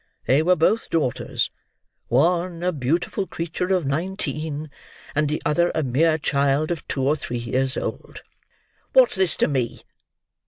They were both daughters; one a beautiful creature of nineteen, and the other a mere child of two or three years old." "What's this to me?"